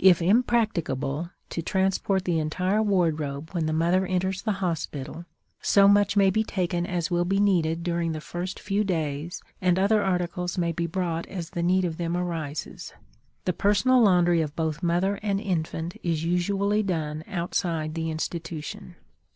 If impracticable to transport the entire wardrobe when the mother enters the hospital, so much may be taken as will be needed during the first few days, and other articles may be brought as the need of them arises. The personal laundry of both mother and infant is usually done outside the institution.